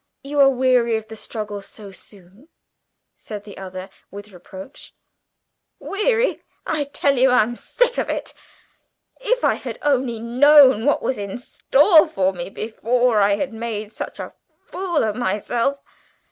"You are weary of the struggle so soon?" said the other with reproach. "Weary? I tell you I'm sick of it! If I had only known what was in store for me before I had made such a fool of myself!"